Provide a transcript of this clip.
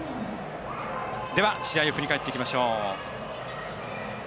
試合を振り返っていきましょう。